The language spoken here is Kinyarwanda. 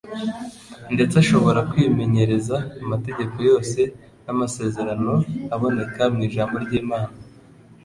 ndetse ashobora kwimenyereza amategeko yose n'amasezerano aboneka mu Ijambo ry'Imana,